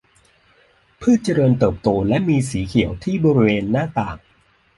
พืชเจริญเติบโตและมีสีเขียวที่บริเวณหน้าต่าง